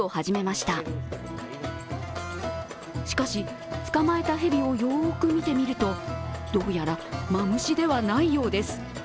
しかし、捕まえた蛇をよーく見てみると、どうやら、マムシではないようです